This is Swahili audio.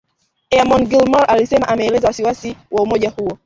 Eamon Gilmore alisema ameelezea wasi wasi wa umoja huo